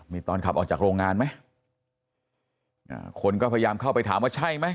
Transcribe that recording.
มีตอนขับออกจากโรงงานไหมอ่าคนก็พยายามเข้าไปถามว่าใช่ไหม